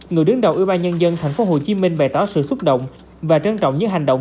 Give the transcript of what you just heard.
người đứng đầu ubnd tp hcm bày tỏ sự xúc động và trân trọng những hành động